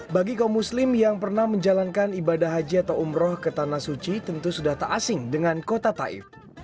bagi kaum muslim yang pernah menjalankan ibadah haji atau umroh ke tanah suci tentu sudah tak asing dengan kota taif